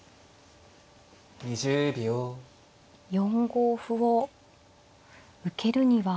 ４五歩を受けるには。